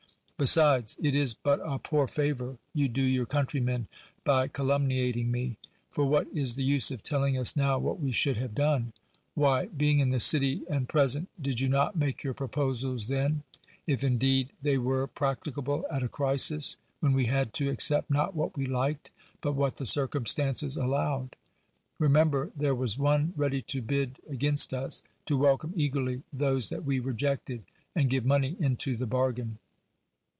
Besides, it is but a poor favor you do your ( •ouutryjiK^n by calnmiiiating me.. For Vv'hat is the use of telling us now what we should have done? Wliy, being in the city and ])r('S('nt, did you not make your proposals then ; if indeed they 1G7 THE WORLD'S FAMOUS ORATIONS were practicable at a crisis, when we had to ac cept not what we liked but what the circum stances allowed? Remember, there was one ready to bid against us, to welcome eagerly those that we rejected, and give money into the bar gain.